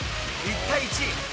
１対１。